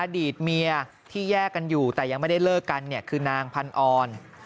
อดีตเมียที่แยกกันอยู่แต่ยังไม่ได้เลิกกันเนี่ยคือนางพันออน